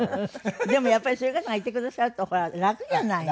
でもやっぱりそういう方がいてくださるとほら楽じゃないの。